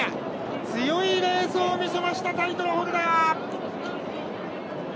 強いレースを見せましたタイトルホルダー！